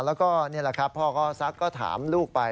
แล้วก็นี่แหละครับพ่อก็ซักก็ถามลูกไป